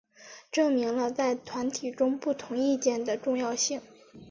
证明了在团体中不同意见的重要性。